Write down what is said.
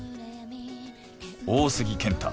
大杉健太